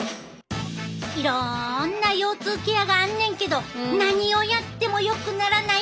いろんな腰痛ケアがあんねんけど何をやってもよくならないって人もおるんちゃう？